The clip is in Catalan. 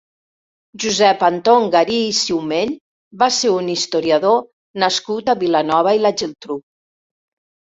Josep Anton Garí i Siumell va ser un historiador nascut a Vilanova i la Geltrú.